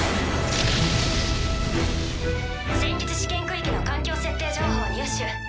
戦術試験区域の環境設定情報入手。